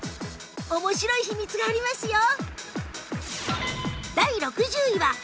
面白い秘密がありますよ